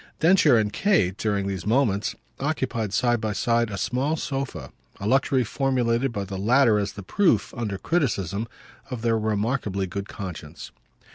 Densher and Kate, during these moments, occupied side by side a small sofa a luxury formulated by the latter as the proof, under criticism, of their remarkably good conscience.